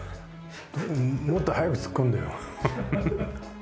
もっと早くつっこんでよ。